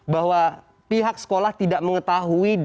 bahwa pihak sekolah tidak mengetahui